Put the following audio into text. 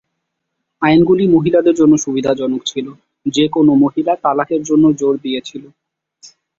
আইনগুলি মহিলাদের জন্য সুবিধাজনক ছিল: যে কোনও মহিলা তালাকের জন্য জোর দিয়েছিল।